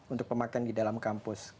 untuk pemakaian di dalam kampus